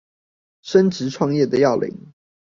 升職創業的要領